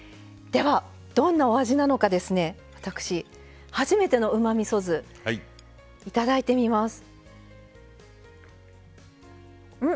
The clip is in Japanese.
では、どんなお味なのか私、初めてのうまみそ酢いただいてみます。